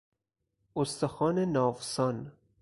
استخوان ناوسان